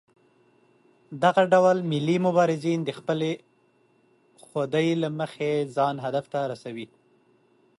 دغه ډول ملي مبارزین د خپلې خودۍ له مخې ځان هدف ته رسوي.